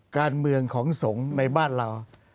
การเมืองของสงฆ์ในบ้านเรา